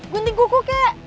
gunting kuku kayak